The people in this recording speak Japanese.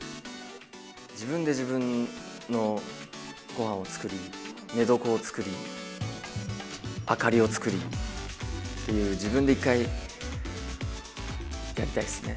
自分で自分のごはんを作り、寝床を作り、明かりを作りっていう、自分で一回、やりたいですね。